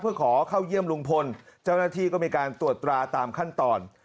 เพื่อขอเข้าเยี่ยมลุงพลเจ้าหน้าที่ก็มีการตรวจตราตามขั้นตอน